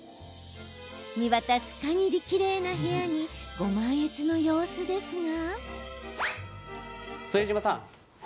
見渡すかぎりきれいな部屋にご満悦の様子ですが。